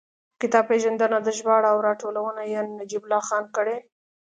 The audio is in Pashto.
کتاب پېژندنه ده، ژباړه او راټولونه یې نجیب الله خان کړې.